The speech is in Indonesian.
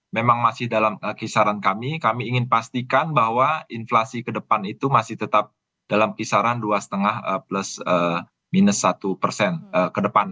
memang masih dalam kisaran kami kami ingin pastikan bahwa inflasi ke depan itu masih tetap dalam kisaran dua lima plus minus satu persen ke depan